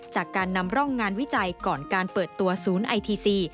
จากการนำร่องงานวิจัยก่อนการเปิดตัวศูนย์ไอทีซี